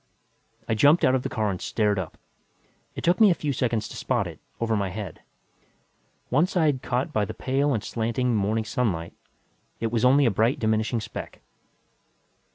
I jumped out of the car and stared up. It took me a few seconds to spot it, over my head. One side caught by the pale and slanting morning sunlight, it was only a bright diminishing speck.